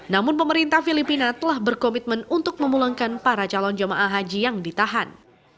namun pemerintah filipina telah berkomitmen untuk memulangkan para calon jemaah haji yang ditahan